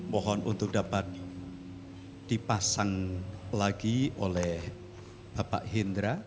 mohon untuk dapat dipasang lagi oleh bapak hendra